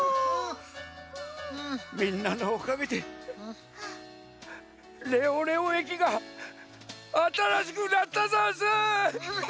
みんなのおかげでレオレオえきがあたらしくなったざんす！